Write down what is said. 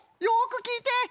よくきいて！